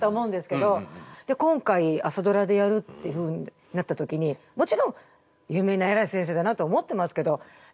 今回「朝ドラ」でやるっていうふうになった時にもちろん有名な偉い先生だなとは思ってますけどえっ